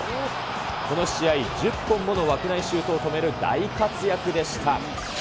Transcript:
この試合１０本もの枠内シュートを止める大活躍でした。